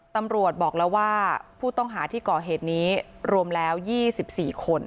ตำรวจบอกแล้วว่าผู้ต้องหาที่ก่อเหตุนี้รวมแล้ว๒๔คน